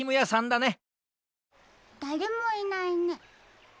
だれもいないね。